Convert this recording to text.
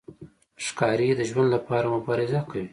ښکاري د ژوند لپاره مبارزه کوي.